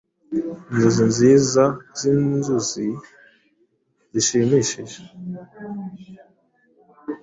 Inzozi nziza zinzuzi zishimishije,